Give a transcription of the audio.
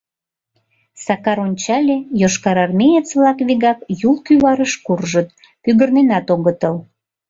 Сакар ончале — йошкарармеец-влак вигак Юл кӱварыш куржыт, пӱгырненат огытыл.